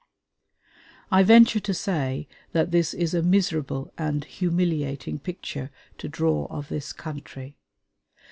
I venture to say that this is a miserable and a humiliating picture to draw of this country.